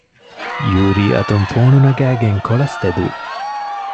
ޔޫރީ އަތުން ފޯނު ނަގައިގެން ކޮޅަސް ތެދުވި